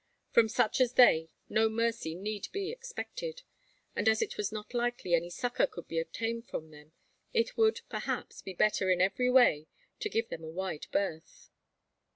From such as they no mercy need be expected; and as it was not likely any succour could be obtained from them, it would, perhaps, be better, in every way, to "give them a wide berth."